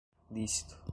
lícito